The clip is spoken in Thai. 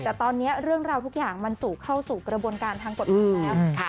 แต่ตอนนี้เรื่องราวทุกอย่างมันสู่เข้าสู่กระบวนการทางกฎหมายแล้ว